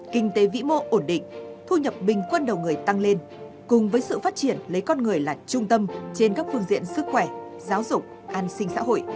kinh tế vĩ mô ổn định thu nhập bình quân đầu người tăng lên cùng với sự phát triển lấy con người là trung tâm trên các phương diện sức khỏe giáo dục an sinh xã hội